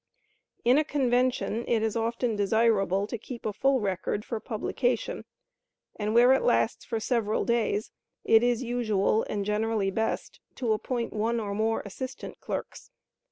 In a convention it is often desirable to keep a full record for publication, and where it lasts for several days, it is usual, and generally best, to appoint one or more assistant clerks.